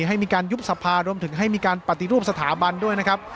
ให้มีการยุบสภารวมถึงให้มีการปฏิรูปสถาบันด้วยนะครับ